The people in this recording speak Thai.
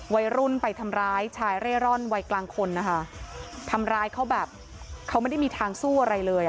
วัยรุ่นไปทำร้ายชายเร่ร่อนวัยกลางคนนะคะทำร้ายเขาแบบเขาไม่ได้มีทางสู้อะไรเลยอ่ะ